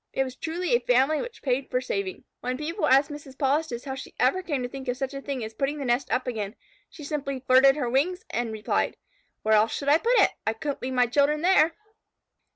It was truly a family which paid for saving. When people asked Mrs. Polistes how she ever came to think of such a thing as putting the nest up again, she simply flirted her wings and replied: "Where else should I put it? I couldn't leave my children there."